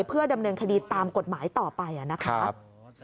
เพื่อดำเนินคดีตามกฎหมายต่อไปนะครับ